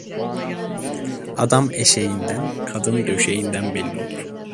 Adam eşeğinden, kadın döşeğinden belli olur.